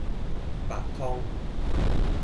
白湯